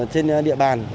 trên địa bàn